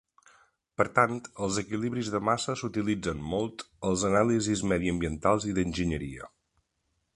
Per tant, els equilibris de massa s'utilitzen molt als anàlisis mediambientals i d"enginyeria.